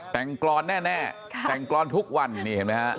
แต่งกรอนแน่แต่งกรอนทุกวันนี่เห็นไหมฮะ